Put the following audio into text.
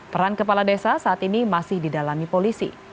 peran kepala desa saat ini masih didalami polisi